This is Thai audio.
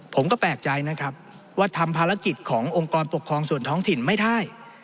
ผมก็แปลกใจนะครับว่าทำภารกิจขององค์กรปกครองส่วนท้องถิ่นไม่ได้